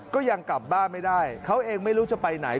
ก็ยังกลับบ้านไม่ได้เขาเองไม่รู้จะไปไหน